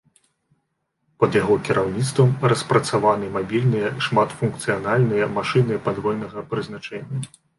Пад яго кіраўніцтвам распрацаваны мабільныя шматфункцыянальныя машыны падвойнага прызначэння.